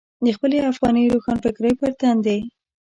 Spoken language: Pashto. د خپلې افغاني روښانفکرۍ پر تندي.